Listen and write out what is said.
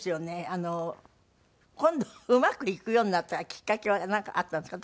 あの今度うまくいくようになったきっかけはなんかあったんですか？